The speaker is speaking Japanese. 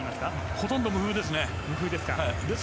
ほとんど無風です。